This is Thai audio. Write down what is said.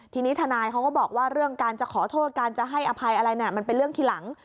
ทีนี้ทนายเขาก็บอกว่าเรื่องการจะขอโทษการจะให้อภัยอะไรมันเป็นเรื่องทีหลัง